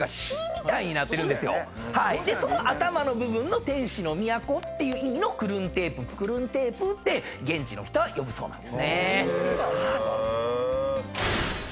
その頭の部分の「天使の都」っていう意味のクルンテープクルンテープって現地の人は呼ぶそうなんですね。